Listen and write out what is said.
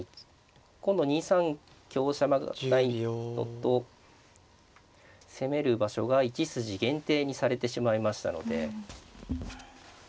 今度２三香車がないのと攻める場所が１筋限定にされてしまいましたので。